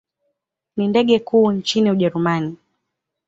Ni ndege kuu nchini Ujerumani.